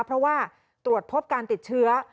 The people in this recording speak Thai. เพราะว่าตรวจพบการติดเชื้อ